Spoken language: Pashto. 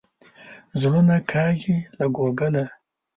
زړونه کاږي له کوګله.